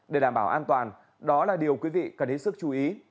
để đảm bảo an toàn đó là điều quý vị cần hết sức chú ý